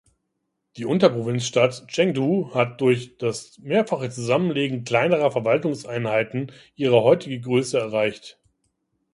Die Unterprovinzstadt Chengdu hat durch das mehrfache Zusammenlegen kleinerer Verwaltungseinheiten ihre heutige Größe erreicht.